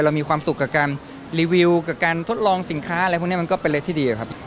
มีความสุขกับการรีวิวกับการทดลองสินค้าอะไรพวกนี้มันก็เป็นอะไรที่ดีอะครับ